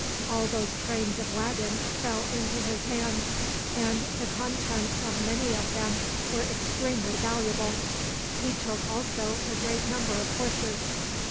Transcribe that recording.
All those trains of wagons fell into his hands, and the contents of many of them were extremely valuable. He took also a great number of horses.